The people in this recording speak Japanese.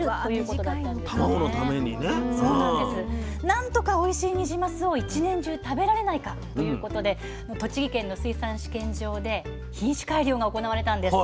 何とかおいしいニジマスを一年中食べられないかということで栃木県の水産試験場で品種改良が行われたんです。